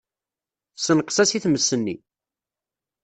Ssenqes-as i tmes-nni.